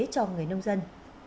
cho người nông dân